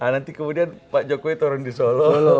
nanti kemudian pak jokowi turun di solo